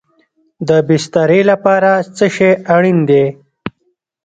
د بسترې لپاره څه شی اړین دی؟